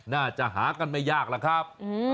น่าจะหากันไม่ยากล่ะครับ